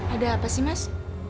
ada apa sih mas